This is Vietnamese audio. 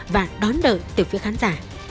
và đón đợi từ phía khán giả